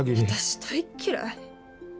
私大っ嫌い！